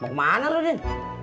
mau kemana lu din